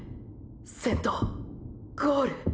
「先頭」「ゴール」